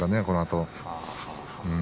このあと。